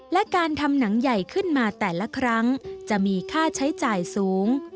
และการทำหนังใหญ่ขึ้นมาแต่ละครั้งจะมีค่าใช้จ่ายสูง